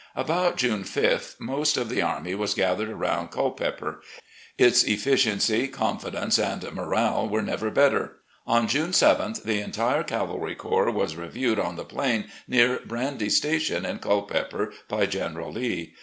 About June sth most of the army was gathered arotmd Culpeper. Its efficiency, confidence, and morale were never better. On June 7th the entire cavalry corps was reviewed on the plain near Brandy Station in Culpeper by General Lee.